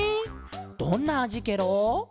どんなあじケロ？